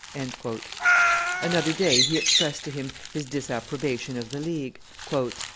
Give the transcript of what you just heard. Another day he expressed to him his disapprobation of the League.